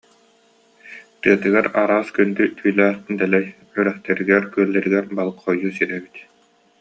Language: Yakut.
Тыатыгар араас күндү түүлээх дэлэй, үрэхтэригэр-күөллэригэр балык хойуу сирэ эбит